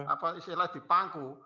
apa istilahnya di pangku